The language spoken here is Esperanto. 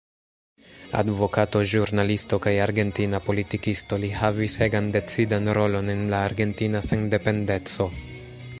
Advokato, ĵurnalisto kaj argentina politikisto, li havis egan decidan rolon en la Argentina Sendependeco.